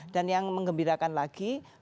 dan yang mengembirakan lagi